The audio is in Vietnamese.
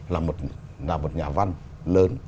là một nhà văn lớn